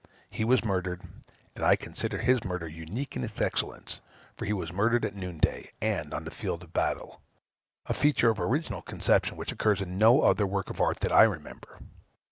He was murdered; and I consider his murder unique in its excellence; for he was murdered at noon day, and on the field of battle, a feature of original conception, which occurs in no other work of art that I remember.